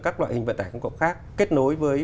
các loại hình vận tải không còn khác kết nối với